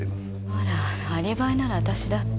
あらアリバイなら私だって。